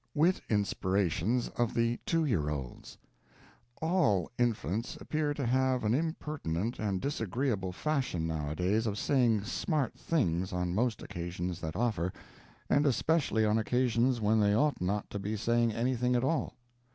WIT INSPIRATIONS OF THE "TWO YEAR OLDS" All infants appear to have an impertinent and disagreeable fashion nowadays of saying "smart" things on most occasions that offer, and especially on occasions when they ought not to be saying anything at all.